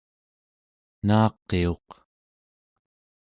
naaqiuq